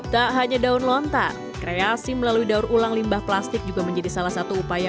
tak hanya daun lontar kreasi melalui daur ulang limbah plastik juga menjadi salah satu upaya